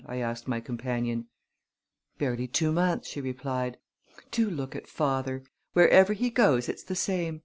I asked my companion. "Barely two months," she replied. "Do look at father! Wherever he goes it's the same.